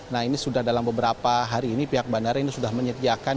nah ini sudah dalam beberapa hari ini pihak bandara ini sudah menyediakan